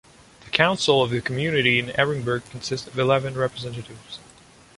The Council of the community in Ehrenburg consist of eleven representatives.